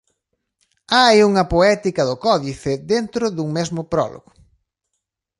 Hai unha "poética do Códice" dentro do mesmo prólogo.